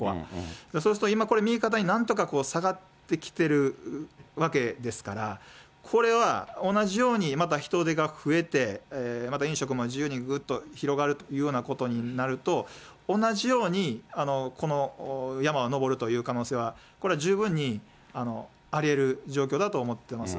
そうすると今、これ、右肩に、なんとか下がってきてるわけですから、これは、同じようにまた人出が増えて、また飲食も自由にぐっと広がるというようなことになると、同じように、この山を登るという可能性はこれは十分にありえる状況だと思ってます。